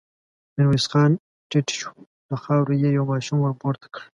ميرويس خان ټيټ شو، له خاورو يې يو ماشوم ور پورته کړ.